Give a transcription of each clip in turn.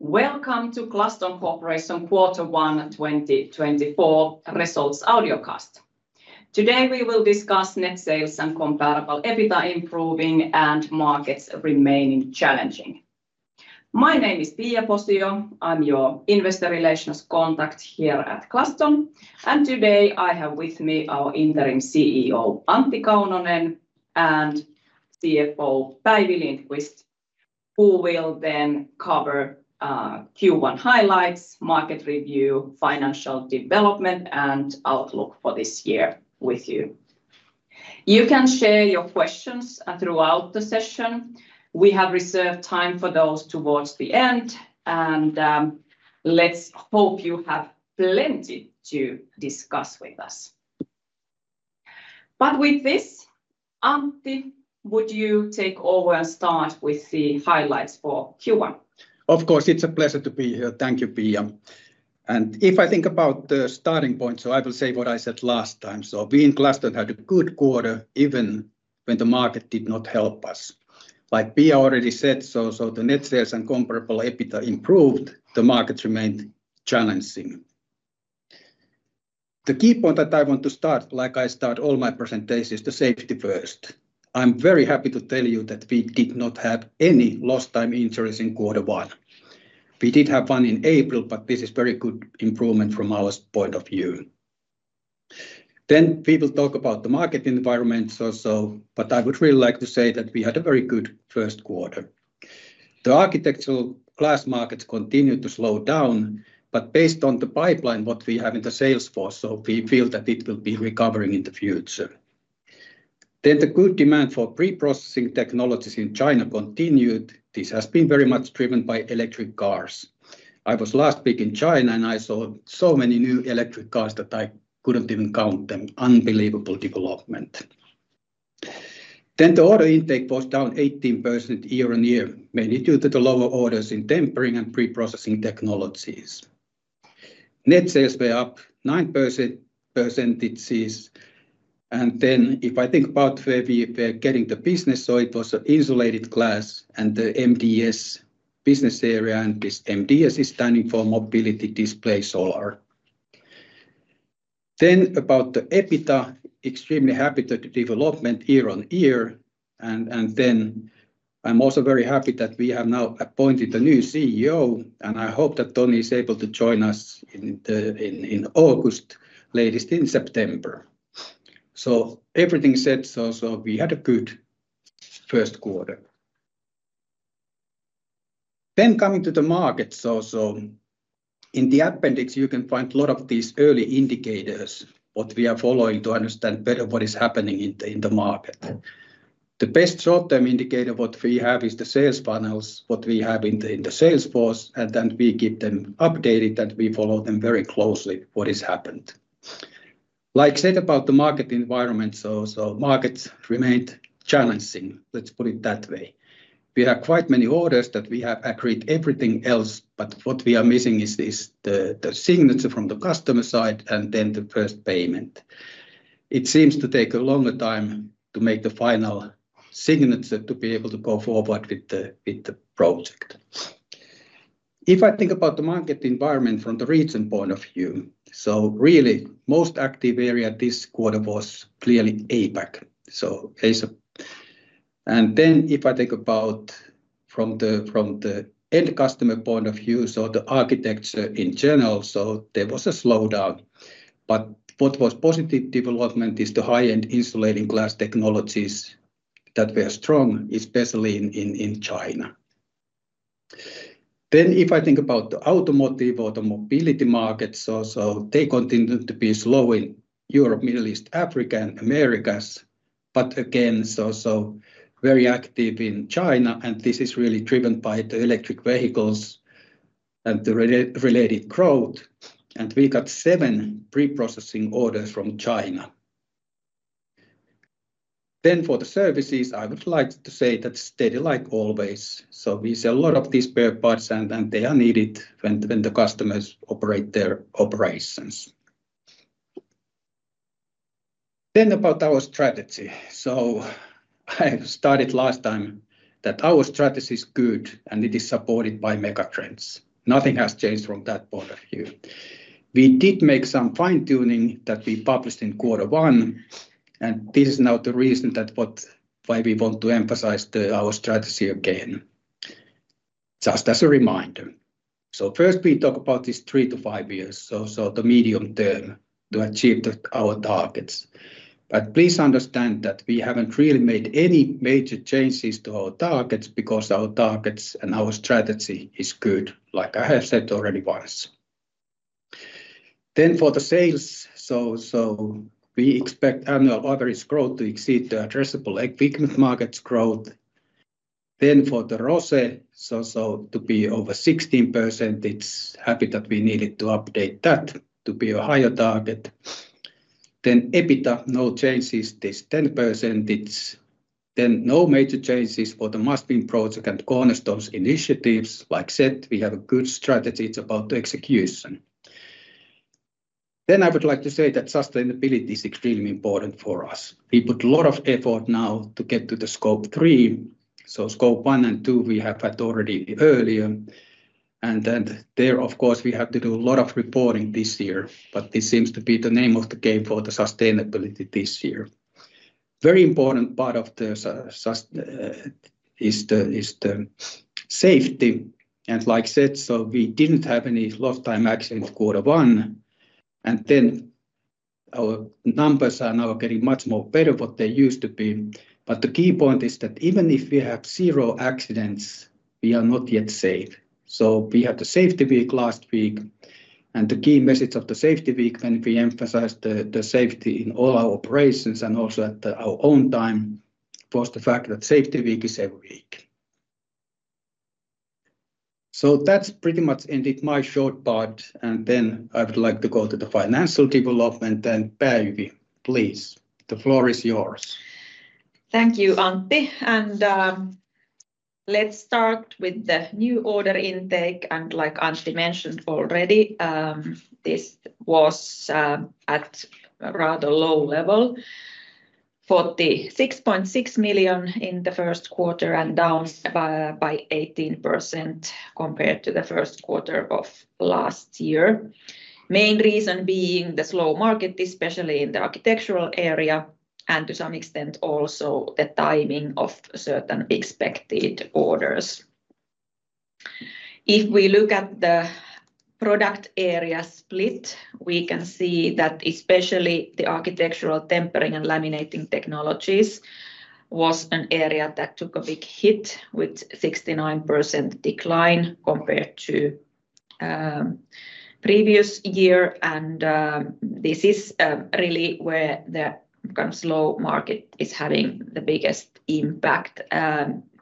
Welcome to Glaston Corporation Quarter One 2024 Results Audiocast. Today, we will discuss net sales and comparable EBITA improving and markets remaining challenging. My name is Pia Posio. I'm your investor relations contact here at Glaston, and today I have with me our Interim CEO, Antti Kaunonen, and CFO, Päivi Lindqvist, who will then cover Q1 highlights, market review, financial development, and outlook for this year with you. You can share your questions throughout the session. We have reserved time for those towards the end, and let's hope you have plenty to discuss with us. But with this, Antti, would you take over and start with the highlights for Q1? Of course, it's a pleasure to be here. Thank you, Pia. If I think about the starting point, so I will say what I said last time: so we in Glaston had a good quarter, even when the market did not help us. Like Pia already said, the net sales and comparable EBITA improved, the markets remained challenging. The key point that I want to start, like I start all my presentations, is the safety first. I'm very happy to tell you that we did not have any lost time injuries in quarter one. We did have one in April, but this is very good improvement from our point of view. People talk about the market environment also, but I would really like to say that we had a very good first quarter. The architectural glass markets continued to slow down, but based on the pipeline, what we have in the sales force, so we feel that it will be recovering in the future. Then, the good demand for Pre-processing Technologies in China continued. This has been very much driven by electric cars. I was last week in China, and I saw so many new electric cars that I couldn't even count them. Unbelievable development. Then, the order intake was down 18% year-on-year, mainly due to the lower orders in Tempering and Pre-processing Technologies. Net sales were up 9% – percentages, and then if I think about where we were getting the business, so it was the insulated glass and the MDS business area, and this MDS is standing for Mobility, Display & Solar. Then, about the EBITA, extremely happy with the development year-on-year, and, and then I'm also very happy that we have now appointed a new CEO, and I hope that Toni is able to join us in the... in, in August, latest in September. So everything said, so, so we had a good first quarter. Then, coming to the markets also, in the appendix, you can find a lot of these early indicators, what we are following to understand better what is happening in the, in the market. The best short-term indicator what we have is the sales funnels, what we have in the, in the sales force, and then we keep them updated, and we follow them very closely, what has happened. Like I said about the market environment, so, so markets remained challenging, let's put it that way. We have quite many orders that we have agreed everything else, but what we are missing is the signature from the customer side and then the first payment. It seems to take a longer time to make the final signature to be able to go forward with the project. If I think about the market environment from the region point of view, so really, most active area this quarter was clearly APAC. So Asia. And then, if I think about from the end customer point of view, so the Architecture in general, so there was a slowdown. But what was positive development is the high-end Insulating Glass Technologies that were strong, especially in China. Then, if I think about the automotive or the mobility markets also, they continued to be slow in Europe, Middle East, Africa, and Americas, but again, so, so very active in China, and this is really driven by the electric vehicles and the related growth, and we got 7 Pre-processing orders from China. Then, for the Services, I would like to say that steady like always. So we sell a lot of these spare parts, and, and they are needed when, when the customers operate their operations. Then, about our strategy. So I started last time that our strategy is good, and it is supported by mega trends. Nothing has changed from that point of view. We did make some fine-tuning that we published in quarter one, and this is now the reason that what... why we want to emphasize our strategy again, just as a reminder. So first, we talk about this 3-5 years, so the medium term, to achieve our targets. But please understand that we haven't really made any major changes to our targets, because our targets and our strategy is good, like I have said already once. Then, for the sales, so we expect annual average growth to exceed the addressable equipment markets growth. Then, for the ROCE, so to be over 16%, it's happy that we needed to update that to be a higher target. Then EBITA, no changes, 10%. Then, no major changes for the Must-Win project and Cornerstones initiatives. Like I said, we have a good strategy; it's about the execution. Then I would like to say that sustainability is extremely important for us. We put a lot of effort now to get to the Scope 3. So Scope 1 and 2, we have had already earlier, and then there, of course, we have to do a lot of reporting this year, but this seems to be the name of the game for the sustainability this year. Very important part of the sustainability is the safety, and like I said, so we didn't have any lost time accidents in quarter one, and then our numbers are now getting much more better what they used to be. But the key point is that even if we have zero accidents, we are not yet safe. So we had the Safety Week last week, and the key message of the Safety Week, and we emphasized the safety in all our operations and also at our own time, was the fact that Safety Week is every week. So that's pretty much ended my short part, and then I would like to go to the financial development, then Päivi, please, the floor is yours. Thank you, Antti. Let's start with the new order intake, and like Antti mentioned already, this was at a rather low level, 46.6 million in the first quarter and down by 18% compared to the first quarter of last year. Main reason being the slow market, especially in the architectural area, and to some extent, also the timing of certain expected orders. If we look at the product area split, we can see that especially the architectural Tempering and Laminating Technologies was an area that took a big hit, with 69% decline compared to previous year, and this is really where the kind of slow market is having the biggest impact.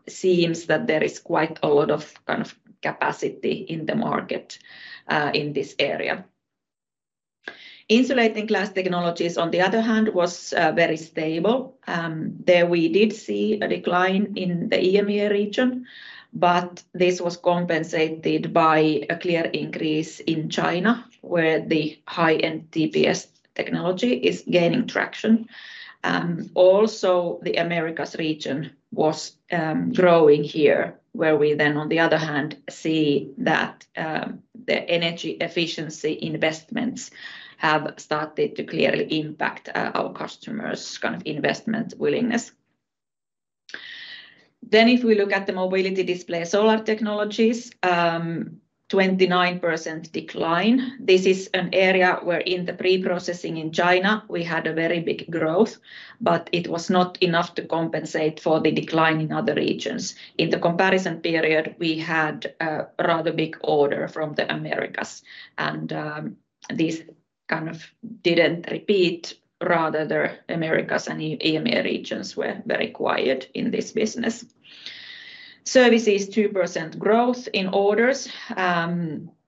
Seems that there is quite a lot of kind of capacity in the market, in this area. Insulating Glass Technologies, on the other hand, was very stable. There we did see a decline in the EMEA region, but this was compensated by a clear increase in China, where the high-end TPS technology is gaining traction. Also, the Americas region was growing here, where we then, on the other hand, see that the energy efficiency investments have started to clearly impact our customers' kind of investment willingness. Then, if we look at the Mobility, Display & Solar Technologies, 29% decline. This is an area where in the Pre-processing in China, we had a very big growth, but it was not enough to compensate for the decline in other regions. In the comparison period, we had a rather big order from the Americas, and this kind of didn't repeat. Rather, the Americas and EMEA regions were very quiet in this business. Services, 2% growth in orders.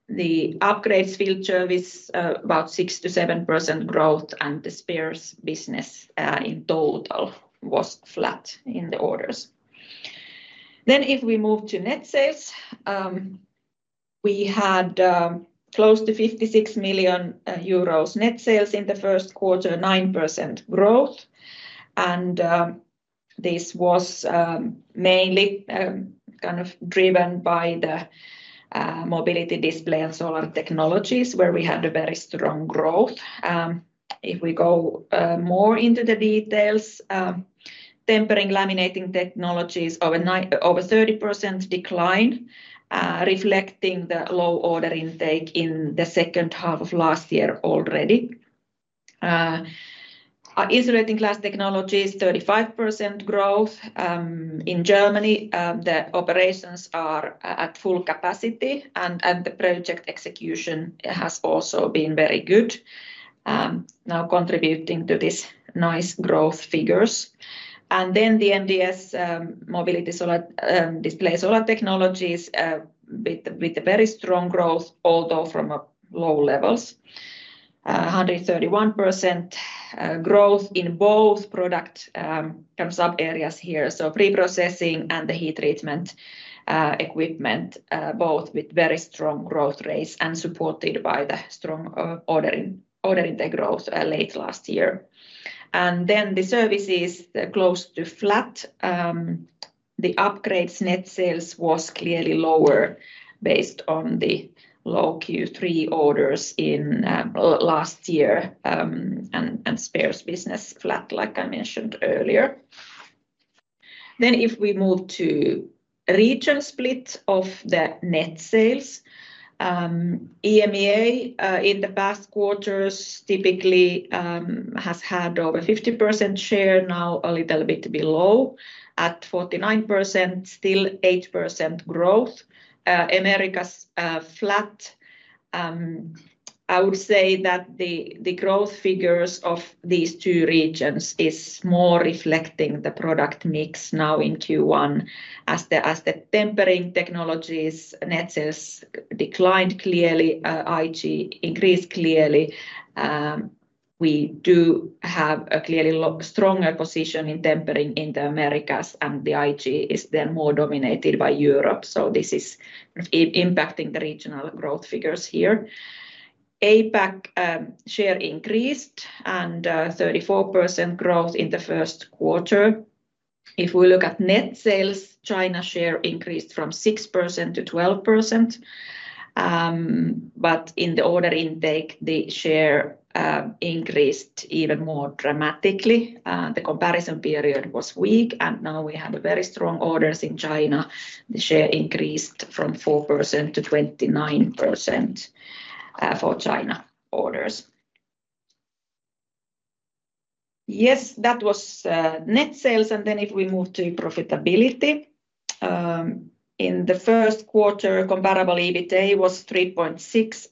The Upgrades, Field Services, about 6%-7% growth, and the spares business, in total was flat in the orders. Then, if we move to net sales, we had close to 56 million euros net sales in the first quarter, 9% growth, and this was mainly kind of driven by the Mobility, Display and Solar Technologies, where we had a very strong growth. If we go more into the details, Tempering, Laminating Technologies, over 30% decline, reflecting the low order intake in the second half of last year already. Insulating Glass Technologies, 35% growth. In Germany, the operations are at full capacity, and the project execution has also been very good, now contributing to these nice growth figures. And then the MDS, Mobility, Display & Solar Technologies, with, with a very strong growth, although from a low levels. Hundred and thirty-one percent growth in both product, kind of subareas here. So Pre-processing and the Heat Treatment equipment, both with very strong growth rates and supported by the strong, order intake growth, late last year. And then the services, they're close to flat. The Upgrades net sales was clearly lower based on the low Q3 orders in, last year, and spares business flat, like I mentioned earlier. Then, if we move to region split of the net sales, EMEA, in the past quarters, typically, has had over 50% share, now a little bit below, at 49%, still 8% growth. Americas, flat. I would say that the growth figures of these two regions is more reflecting the product mix now in Q1. As the tempering technologies, net sales declined clearly, IG increased clearly, we do have a clearly stronger position in tempering in the Americas, and the IG is then more dominated by Europe. So this is impacting the regional growth figures here. APAC, share increased and, 34% growth in the first quarter. If we look at net sales, China's share increased from 6% to 12%. But in the order intake, the share increased even more dramatically. The comparison period was weak, and now we have a very strong orders in China. The share increased from 4% to 29%, for China orders. Yes, that was net sales, and then if we move to profitability, in the first quarter, comparable EBITA was 3.6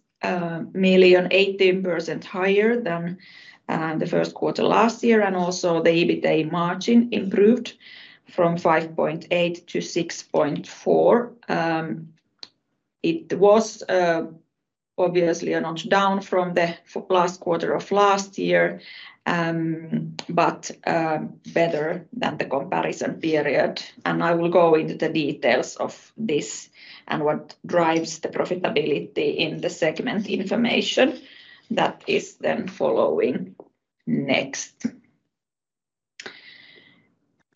million, 18% higher than the first quarter last year, and also the EBITA margin improved from 5.8% to 6.4%. It was obviously a notch down from the last quarter of last year, but better than the comparison period. And I will go into the details of this and what drives the profitability in the segment information. That is then following next.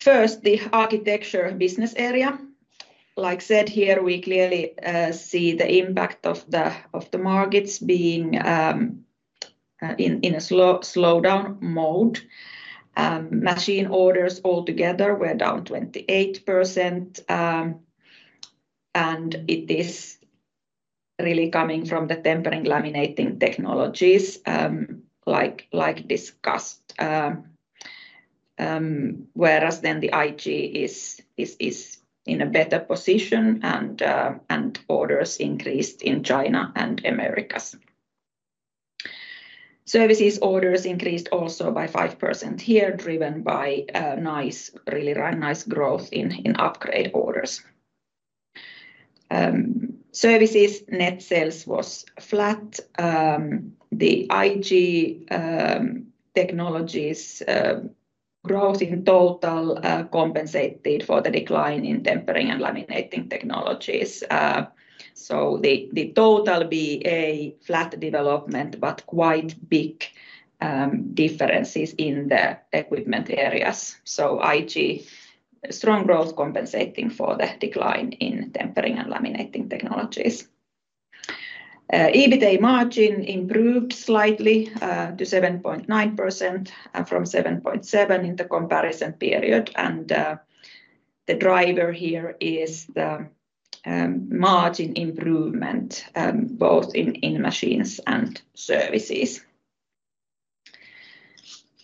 First, the architecture business area. Like said, here, we clearly see the impact of the markets being in a slowdown mode. Machine orders altogether were down 28%, and it is really coming from the tempering, laminating technologies, like discussed. Whereas then the IG is in a better position, and orders increased in China and Americas. Services orders increased also by 5% here, driven by a nice, really nice growth in upgrade orders. Services net sales was flat. The IG technologies growth in total compensated for the decline in tempering and laminating technologies. So the total be a flat development, but quite big differences in the equipment areas. So IG, strong growth compensating for the decline in tempering and laminating technologies. EBITA margin improved slightly to 7.9% from 7.7 in the comparison period, and the driver here is the margin improvement both in machines and services.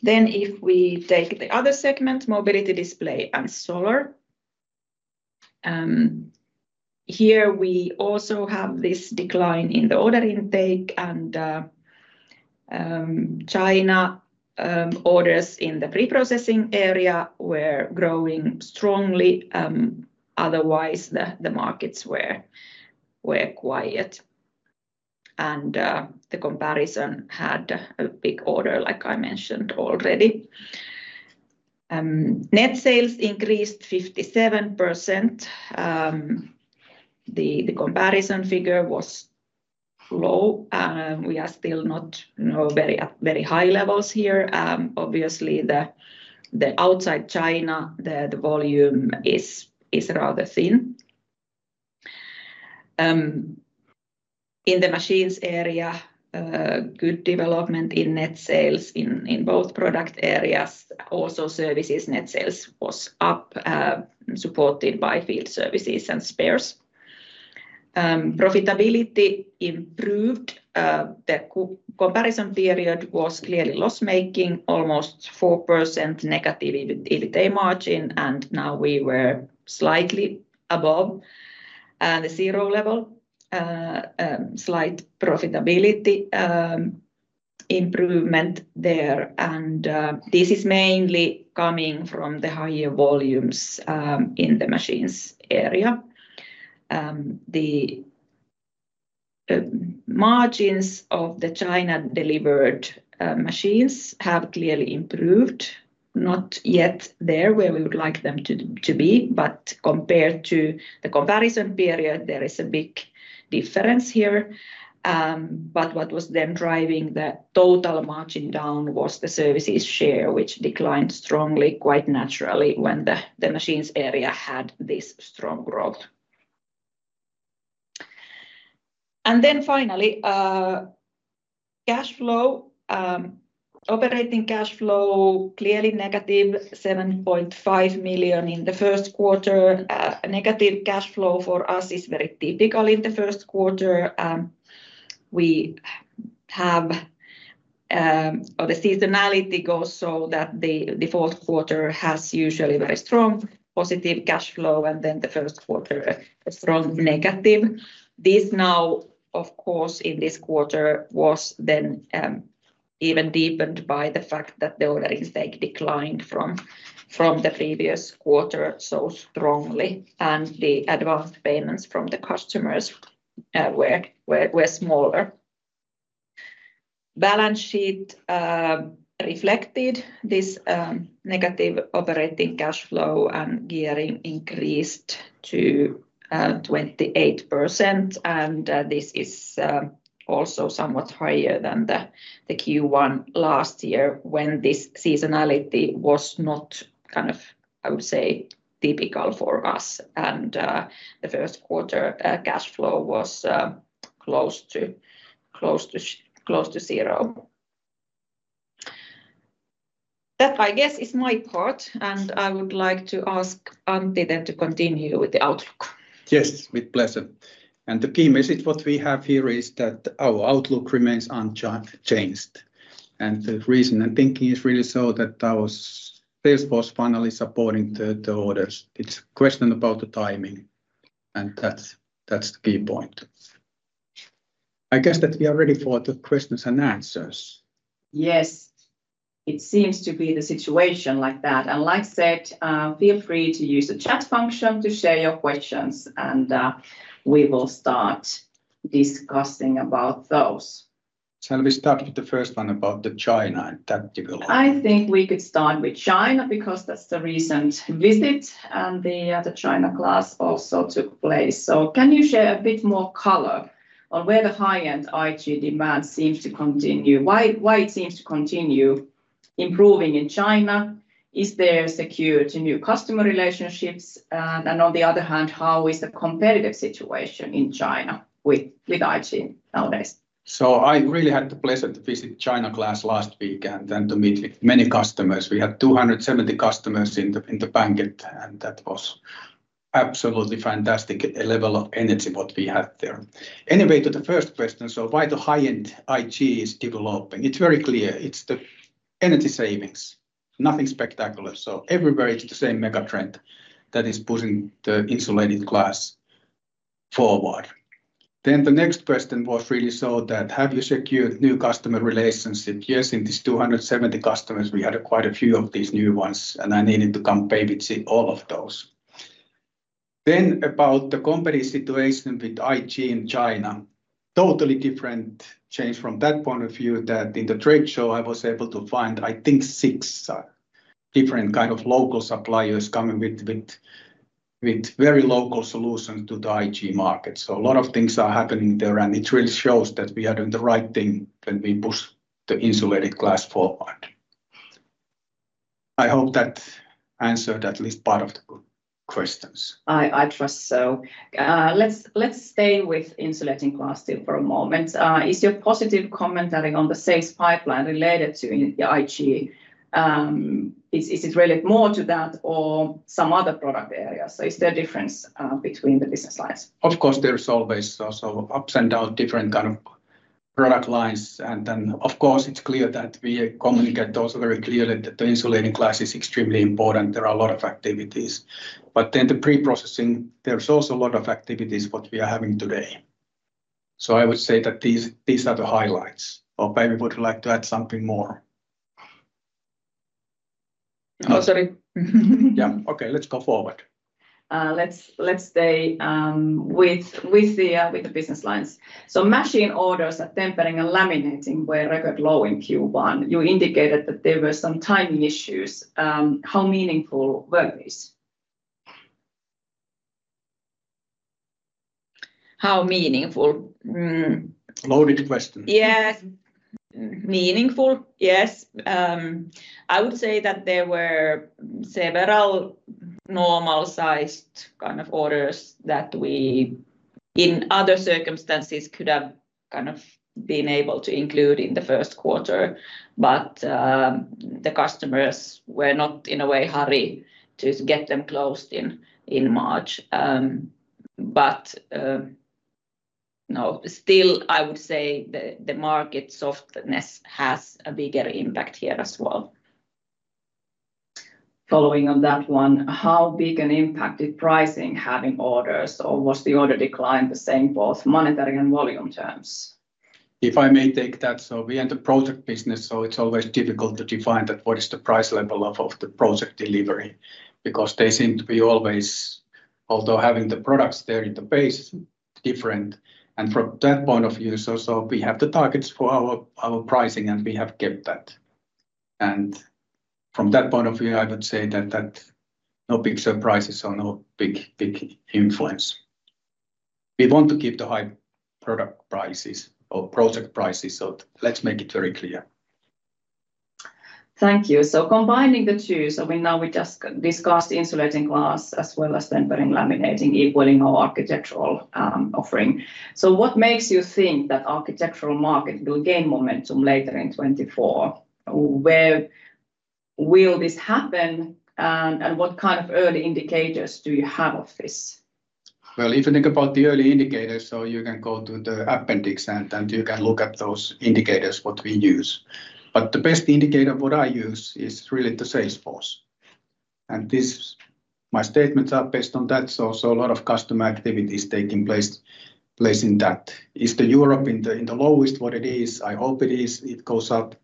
Then, if we take the other segment, mobility, display, and solar, here we also have this decline in the order intake and China orders in the Pre-processing area were growing strongly. Otherwise, the markets were quiet. And the comparison had a big order, like I mentioned already. Net sales increased 57%. The comparison figure was low, and we are still not, you know, very at very high levels here. Obviously, the outside China, the volume is rather thin. In the machines area, good development in net sales in both product areas. Also, services net sales was up, supported by Field Services and spares. Profitability improved. The comparison period was clearly loss-making, almost 4% negative EBITA margin, and now we were slightly above the zero level. Slight profitability improvement there, and this is mainly coming from the higher volumes in the machines area. The margins of the China-delivered machines have clearly improved. Not yet there where we would like them to be, but compared to the comparison period, there is a big difference here. But what was then driving the total margin down was the services share, which declined strongly, quite naturally, when the machines area had this strong growth. And then finally, cash flow. Operating cash flow, clearly negative, 7.5 million in the first quarter. Negative cash flow for us is very typical in the first quarter. Well, the seasonality goes so that the fourth quarter has usually very strong positive cash flow, and then the first quarter, a strong negative. This now, of course, in this quarter, was then even deepened by the fact that the order intake declined from the previous quarter so strongly, and the advance payments from the customers de-... were smaller. Balance sheet reflected this negative operating cash flow and gearing increased to 28%, and this is also somewhat higher than the Q1 last year, when this seasonality was not kind of, I would say, typical for us. The first quarter cash flow was close to zero. That, I guess, is my part, and I would like to ask Antti then to continue with the outlook. Yes, with pleasure. The key message what we have here is that our outlook remains unchanged, unchanged. The reason I'm thinking is really so that our sales force finally supporting the orders. It's a question about the timing, and that's, that's the key point. I guess that we are ready for the questions and answers. Yes. It seems to be the situation like that. Like I said, feel free to use the chat function to share your questions, and we will start discussing about those. Shall we start with the first one about the China and that development? I think we could start with China, because that's the recent visit, and the China Glass also took place. So can you share a bit more color on where the high-end IG demand seems to continue? Why it seems to continue improving in China? Is there secure new customer relationships? And on the other hand, how is the competitive situation in China with IG nowadays? So I really had the pleasure to visit China Glass last week and to meet with many customers. We had 270 customers in the banquet, and that was absolutely fantastic level of energy what we had there. Anyway, to the first question, so why the high-end IG is developing? It's very clear, it's the energy savings, nothing spectacular. So everywhere, it's the same mega trend that is pushing the insulating glass forward. Then the next question was really so that have you secured new customer relationships? Yes, in these 270 customers, we had quite a few of these new ones, and I needed to come visit all of those. Then about the company situation with IG in China, totally different change from that point of view, that in the trade show I was able to find, I think, six different kind of local suppliers coming with very local solutions to the IG market. So a lot of things are happening there, and it really shows that we are doing the right thing when we push the insulated glass forward. I hope that answered at least part of the questions. I trust so. Let's stay with insulating glass still for a moment. Is your positive commentary on the sales pipeline related to the IG? Is it related more to that or some other product area? So is there a difference between the business lines? Of course, there's always also ups and downs, different kind of product lines. And then, of course, it's clear that we communicate also very clearly that the insulating glass is extremely important. There are a lot of activities. But then the Pre-processing, there's also a lot of activities what we are having today. So I would say that these, these are the highlights. Or maybe would you like to add something more? Oh, sorry. Yeah. Okay, let's go forward. Let's stay with the business lines. So machine orders at tempering and laminating were record low in Q1. You indicated that there were some timing issues. How meaningful were these? How meaningful? Loaded question. Yeah. Meaningful, yes. I would say that there were several normal-sized kind of orders that we, in other circumstances, could have kind of been able to include in the first quarter, but the customers were not, in a way, hurry to get them closed in March. But no, still, I would say the market softness has a bigger impact here as well. Following on that one, how big an impact did pricing have in orders, or was the order decline the same, both monetary and volume terms? If I may take that, so we enter project business, so it's always difficult to define that what is the price level of, of the project delivery, because they seem to be always... although having the products there in the base, different. From that point of view, so, so we have the targets for our, our pricing, and we have kept that. From that point of view, I would say that, that no big surprises or no big, big influence. We want to keep the high product prices or project prices, so let's make it very clear. Thank you. So combining the two, so we now just discussed insulating glass as well as tempering, laminating, equaling our architectural offering. So what makes you think that architectural market will gain momentum later in 2024? Where will this happen, and what kind of early indicators do you have of this? Well, if you think about the early indicators, so you can go to the appendix, and you can look at those indicators, what we use. But the best indicator what I use is really the sales force. And this, my statements are based on that, so a lot of customer activity is taking place in that. Is the Europe in the lowest what it is? I hope it is. It goes up.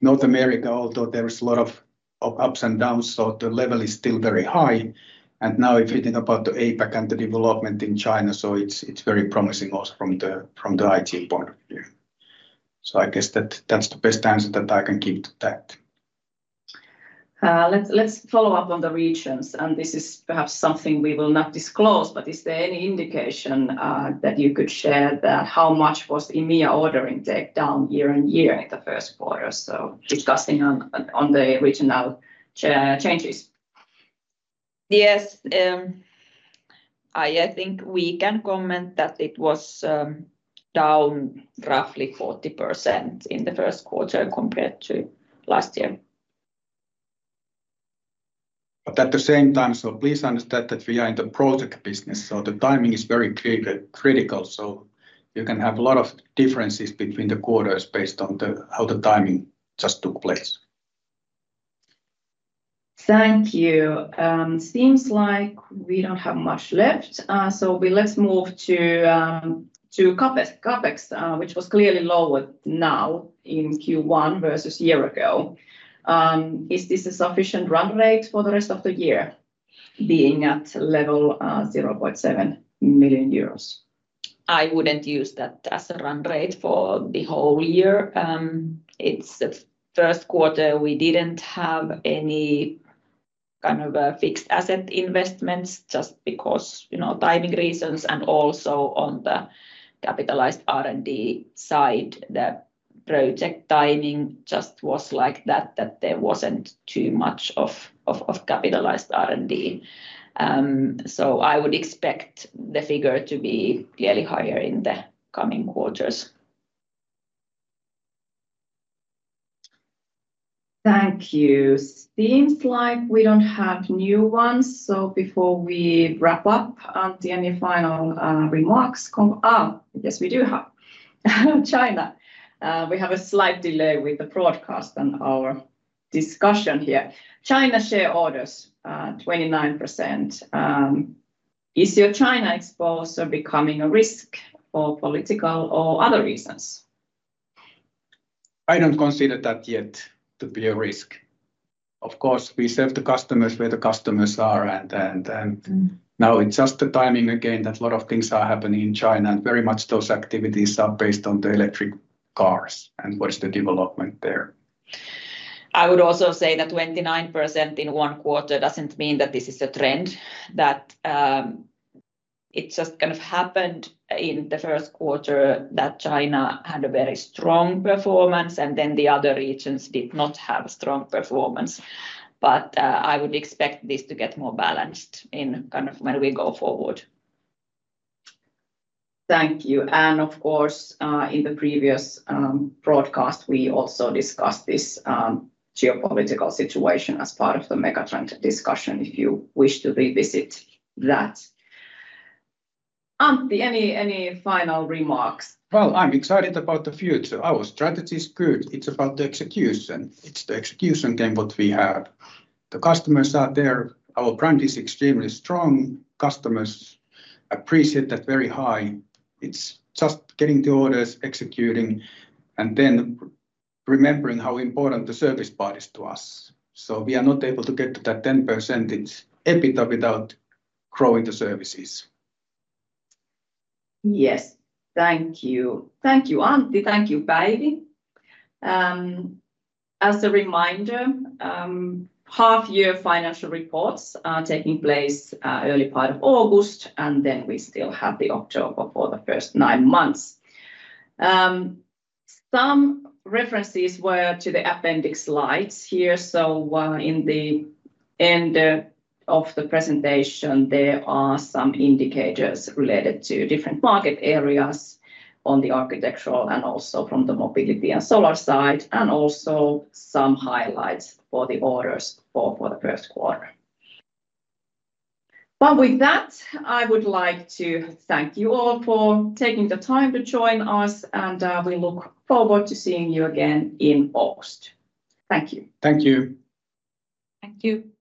North America, although there is a lot of ups and downs, so the level is still very high. And now if you think about the APAC and the development in China, so it's very promising also from the IG point of view. So I guess that's the best answer that I can give to that. Let's follow up on the regions, and this is perhaps something we will not disclose, but is there any indication that you could share that how much was EMEA order intake down year-on-year in the first quarter? So discussing on the regional changes. Yes, I think we can comment that it was down roughly 40% in the first quarter compared to last year. But at the same time, so please understand that we are in the project business, so the timing is very critical. So you can have a lot of differences between the quarters based on how the timing just took place. Thank you. Seems like we don't have much left, so let's move to CapEx. CapEx, which was clearly lower now in Q1 versus a year ago. Is this a sufficient run rate for the rest of the year, being at level 0.7 million euros? I wouldn't use that as a run rate for the whole year. It's the first quarter, we didn't have any kind of fixed asset investments just because, you know, timing reasons, and also on the capitalized R&D side, the project timing just was like that, that there wasn't too much of capitalized R&D. So I would expect the figure to be clearly higher in the coming quarters. Thank you. Seems like we don't have new ones, so before we wrap up, Antti, any final remarks? Yes, we do have. China. We have a slight delay with the broadcast and our discussion here. China share orders, 29%. Is your China exposure becoming a risk for political or other reasons? I don't consider that yet to be a risk. Of course, we serve the customers where the customers are, and now it's just the timing again, that a lot of things are happening in China, and very much those activities are based on the electric cars and what is the development there. I would also say that 29% in one quarter doesn't mean that this is a trend, that it just kind of happened in the first quarter, that China had a very strong performance, and then the other regions did not have strong performance. But I would expect this to get more balanced in kind of when we go forward. Thank you. And of course, in the previous broadcast, we also discussed this geopolitical situation as part of the megatrend discussion, if you wish to revisit that. Antti, any, any final remarks? Well, I'm excited about the future. Our strategy is good. It's about the execution. It's the execution game that we have. The customers are there. Our brand is extremely strong. Customers appreciate that very high. It's just getting the orders, executing, and then remembering how important the service part is to us. So we are not able to get to that 10% EBITA without growing the services. Yes. Thank you. Thank you, Antti. Thank you, Päivi. As a reminder, half-year financial reports are taking place early part of August, and then we still have the October for the first nine months. Some references were to the appendix slides here. So, in the end of the presentation, there are some indicators related to different market areas on the architectural and also from the mobility and solar side, and also some highlights for the orders for, for the first quarter. But with that, I would like to thank you all for taking the time to join us, and we look forward to seeing you again in August. Thank you. Thank you. Thank you.